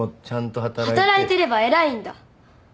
働いてれば偉いんだ？